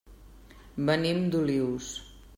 Venim d'Olius.